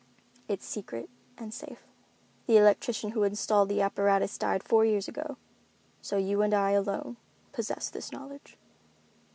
It's secret and safe. The electrician who installed the apparatus died four years ago. So you and I, alone, possess this knowledge."